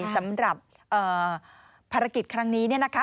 สำหรับภารกิจครั้งนี้นี่นะคะ